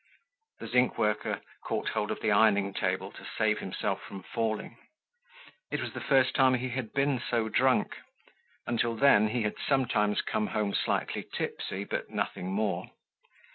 The zinc worker caught hold of the ironing table to save himself from falling. It was the first time he had been so drunk. Until then he had sometimes come home slightly tipsy, but nothing more.